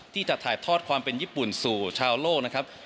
ที่จะถ่ายทอดความเป็นญี่ปุ่นสู่ชาวโลกนะครับ